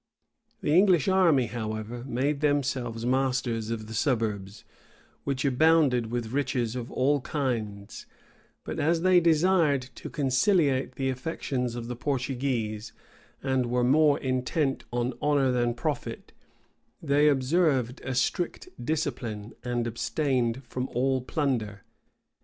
The English army, however, made themselves masters of the suburbs, which abounded with riches of all kinds; but as they desired to conciliate the affections of the Portuguese, and were more intent on honor than profit, they observed a strict discipline, and abstained from all plunder.